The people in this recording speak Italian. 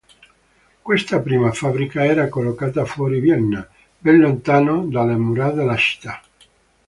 Questa prima fabbrica era collocata fuori Vienna, ben lontano dalle mura della città.